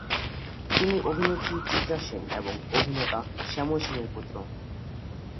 তিনি অভিনেত্রী চিত্রা সেন এবং অভিনেতা শ্যামল সেনের পুত্র।